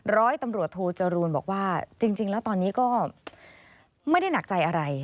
ร้อยตำรวจโทจรูนบอกว่าจริงแล้วตอนนี้ก็ไม่ได้หนักใจอะไร